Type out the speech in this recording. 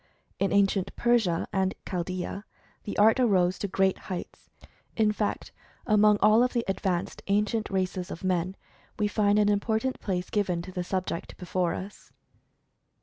In ancient Persia and Chaldea, the art arose to great heights. In fact, among all of the advanced ancient races of men, we find an important place given to the subject before us.